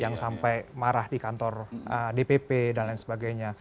yang sampai marah di kantor dpp dan lain sebagainya